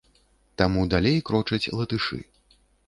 Таму далей крочаць латышы.